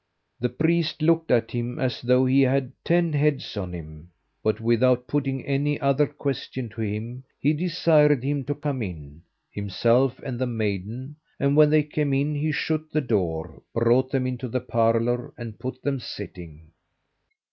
The priest looked at him as though he had ten heads on him; but without putting any other question to him, he desired him to come in, himself and the maiden, and when they came in, he shut the door, brought them into the parlour, and put them sitting.